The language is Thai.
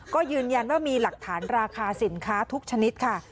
ก็ยืนยันว่ามีหลักฐานราคาสินค้าทุกชนิดค่ะ